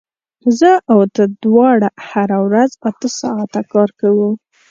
زه او ته دواړه هره ورځ اته ساعته کار کوو